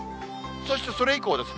そしてそれ以降です。